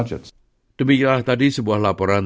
demikianlah tadi sebuah laporan